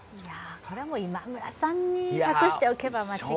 これ、今村さんに託しておけば間違いない。